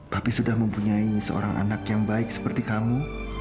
tapi sudah mempunyai seorang anak yang baik seperti kamu